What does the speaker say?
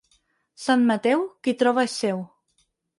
Sant Mateu, qui troba és seu.